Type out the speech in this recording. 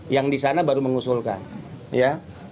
yang di sana baru mengusulkan ya